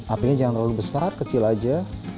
apinya jangan terlalu besar kecil aja